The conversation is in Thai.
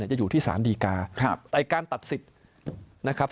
จะอยู่ที่สารดีกาแต่การตัดสิทธิ์นะครับ